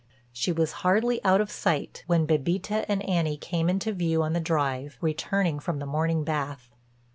She was hardly out of sight when Bébita and Annie came into view on the drive, returning from the morning bath.